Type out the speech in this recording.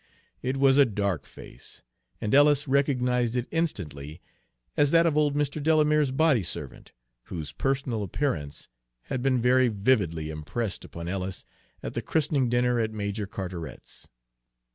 It was a dark face, and Ellis recognized it instantly as that of old Mr. Delamere's body servant, whose personal appearance had been very vividly impressed upon Ellis at the christening dinner at Major Carteret's.